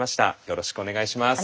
よろしくお願いします。